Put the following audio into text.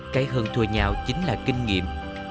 cái hơn thùi nhau chính là kinh nghiệm